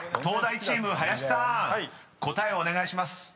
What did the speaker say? ［東大チーム林さん答えお願いします］